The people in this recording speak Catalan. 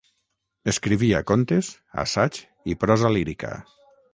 Escrivia contes, assaig i prosa lírica.